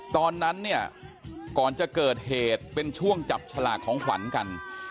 ตอนนั้นเนี่ยก่อนจะเกิดเหตุเป็นช่วงจับฉลากของขวัญกัน